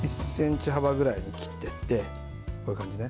１ｃｍ幅ぐらいに切っていって。